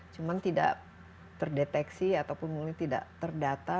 cuma tidak terdeteksi ataupun mulai tidak terdata